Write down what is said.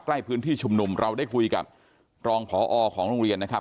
ใกล้พื้นที่ชุมนุมเราได้คุยกับรองพอของโรงเรียนนะครับ